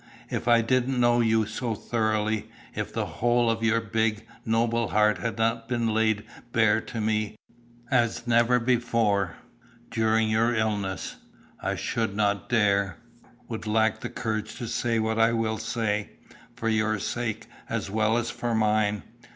If I didn't know you so thoroughly, if the whole of your big, noble heart had not been laid bare to me, as never before, during your illness, I should not dare, would lack the courage to say what I will say, for your sake, as well as for mine."